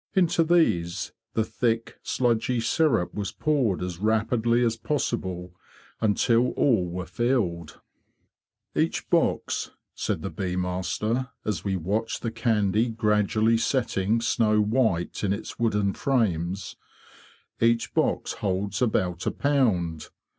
Into these the thick, sludgy syrup was poured as rapidly as possible, until all were filled. "* Hach box," said the bee master, as we watched the candy gradually setting snow white in its wooden frames, '' each box holds about a pound.